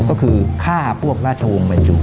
ก็คือฆ่าพวกราชวงศ์บรรจุ